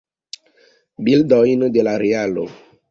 Bildojn de la realo.